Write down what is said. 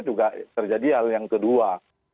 juga terjadi hal yang kedua